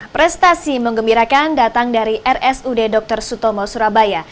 prestasi mengembirakan datang dari rsud dr sutomo surabaya